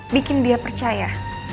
bikin dia percaya